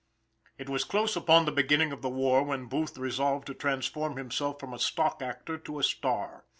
It was close upon the beginning of the war when Booth resolved to transform himself from a stock actor to a "star."